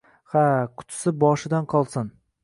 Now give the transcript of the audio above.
— Ha... qutisi boshidan qolsin!